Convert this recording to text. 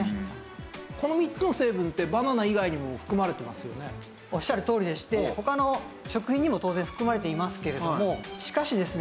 この３つの成分っておっしゃるとおりでして他の食品にも当然含まれていますけれどもしかしですね。